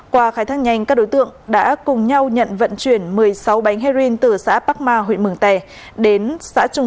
qua khai thác nhanh các đối tượng đã cùng nhau nhận vận chuyển một mươi sáu bánh heroin